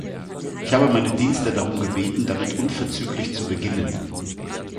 Ich habe meine Dienste darum gebeten, damit unverzüglich zu beginnen.